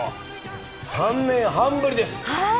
３年半ぶりです。